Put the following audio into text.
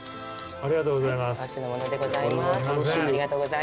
ありがとうございます。